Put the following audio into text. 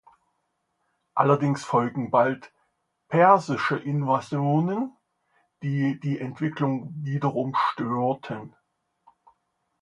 Allerdings folgten bald persische Invasionen, die die Entwicklung wiederum störten.